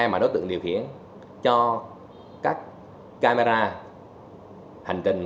mà đối tượng điều khiển cho các camera hành trình